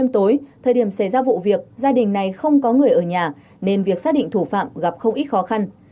tối thời điểm xảy ra vụ việc gia đình này không có người ở nhà nên việc xác định thủ phạm gặp không ít khó khăn